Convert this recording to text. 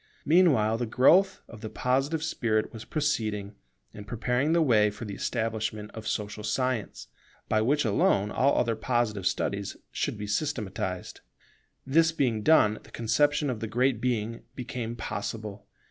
Meanwhile, the growth of the Positive spirit was proceeding, and preparing the way for the establishment of Social Science, by which alone all other Positive studies should be systematized. This being done, the conception of the Great Being became possible.